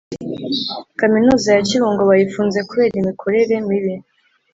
Kaminuza yakibungo bayifunze kubera imikorere mibi